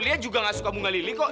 lia juga gak suka bunga lili kok